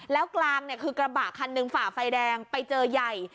แล้วกลางเนี่ยคือกระบะคันหนึ่งฝ่าไฟแดงไปเจอใหญ่